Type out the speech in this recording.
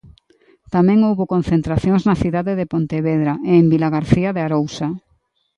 Tamén houbo concentracións na cidade de Pontevedra e en Vilagarcía de Arousa.